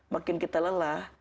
makin kita lelah